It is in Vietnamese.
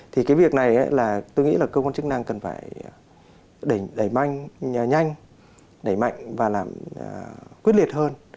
thì cái việc này là tôi nghĩ là cơ quan chức năng cần phải đẩy mạnh nhanh đẩy mạnh và làm quyết liệt hơn